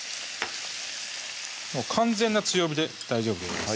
完全な強火で大丈夫です